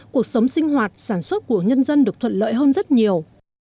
cuộc sống sinh hoạt sản xuất của nhân dân được thuận lợi hơn rất nhiều